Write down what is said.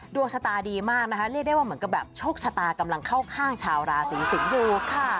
ดวงชะตาดีมากนะคะเรียกได้ว่าเหมือนกับแบบโชคชะตากำลังเข้าข้างชาวราศีสิงศ์อยู่ค่ะ